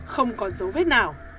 không còn dấu vết nào